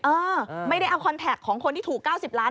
เออไม่ได้เอาคอนแท็กของคนที่ถูก๙๐ล้าน